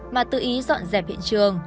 mà tự ý dọn dẹp hiện trường